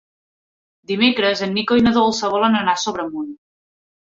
Dimecres en Nico i na Dolça volen anar a Sobremunt.